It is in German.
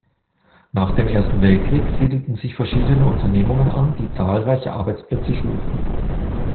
Nach dem Ersten Weltkrieg siedelten sich verschiedene Unternehmungen an, die zahlreiche Arbeitsplätze schufen.